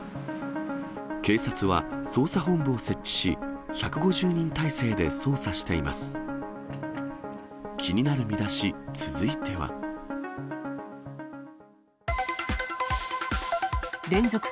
警察は、捜査本部を設置し、１５０人態勢で捜査しています。